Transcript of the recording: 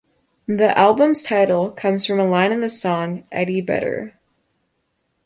The album's title comes from a line in the song Eddie Vedder.